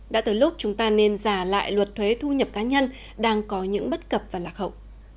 đã tới lúc chúng ta nên giả lại luật thuế thu nhập cá nhân đang có những bất cập và lạc hậu